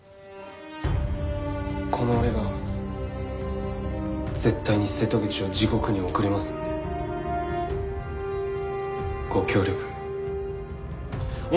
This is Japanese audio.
この俺が絶対に瀬戸口を地獄に送りますんでご協力お願いします！